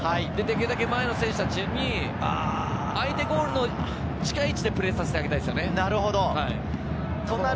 前の選手たちに相手ゴールの近い位置でプレーさせてあげたいですよね。